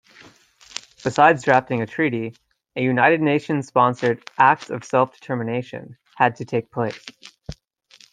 Besides drafting a treaty, a United Nations-sponsored "act of self-determination" had to take place.